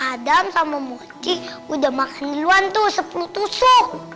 adam sama mochi udah makan duluan tuh sepuluh tusuk